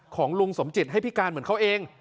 ของลุงสมจิตให้พิการเหมือนเขาเอง